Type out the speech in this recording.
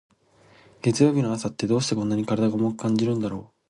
月曜日の朝って、どうしてこんなに体が重く感じるんだろう。